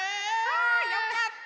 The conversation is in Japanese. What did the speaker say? あよかった！